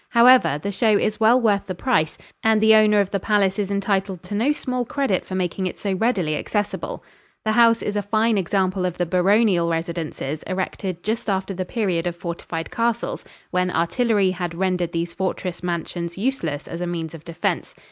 However, the show is well worth the price, and the owner of the palace is entitled to no small credit for making it so readily accessible. The house is a fine example of the baronial residences erected just after the period of fortified castles, when artillery had rendered these fortress mansions useless as a means of defense.